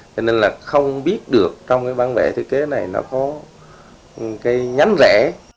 cho nên là không biết được trong cái bản vẽ thiết kế này nó có cái nhánh rẽ